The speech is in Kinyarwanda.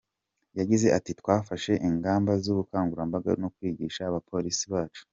Yagize ati :”twafashe ingamba z’ubukangurambaga no kwigisha abapolisi bacu.